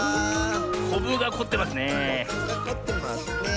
こぶがこってますねえ。